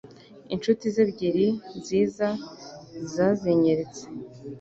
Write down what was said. inshuti ze ebyiri nziza yazinyenyeretse